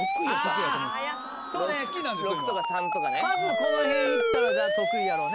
この辺行ったら得意やろうね。